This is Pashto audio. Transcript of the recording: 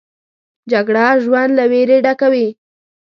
جګړه ژوند له ویرې ډکوي